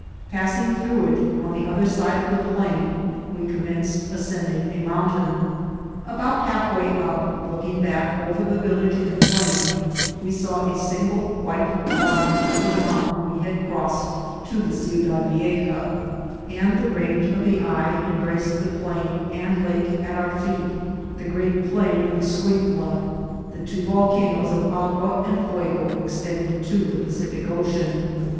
Passing through it, on the other side of the plain we com menced ascending a mountain. About half way up, looking back over the village and plain, we saw a sin gle white line over the mountain we had crossed to the Ciudad Vieja, and the range of the eye embraced the plain and lake at our feet, the great plain of Escuintla, the two volcanoes of Agua and Fuego, extending to the Pacific Ocean.